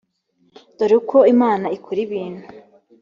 dore uko imana ikora ibintu